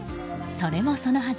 それもそのはず